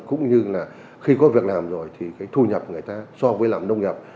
cũng như là khi có việc làm rồi thì cái thu nhập người ta so với làm nông nghiệp